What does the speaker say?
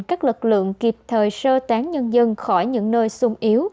các lực lượng kịp thời sơ tán nhân dân khỏi những nơi sung yếu